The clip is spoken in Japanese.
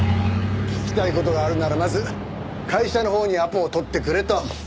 聞きたい事があるならまず会社のほうにアポを取ってくれと。